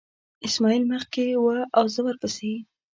اسماعیل مخکې و او زه ورپسې.